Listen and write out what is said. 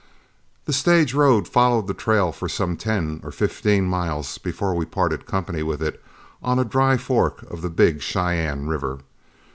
The stage road followed the trail some ten or fifteen miles before we parted company with it on a dry fork of the Big Cheyenne River.